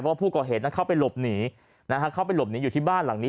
เพราะผู้ก่อเหตุเข้าไปหลบหนีอยู่ที่บ้านหลังนี้